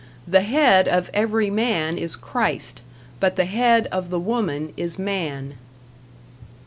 The head of every man is Christ, but the head of the woman is man.